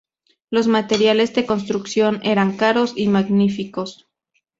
Los materiales de construcción eran caros y magníficos.